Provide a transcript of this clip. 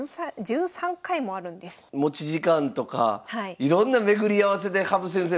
持ち時間とかいろんな巡り合わせで羽生先生